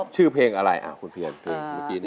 ชื่อเพลงอะไรคุณเพียร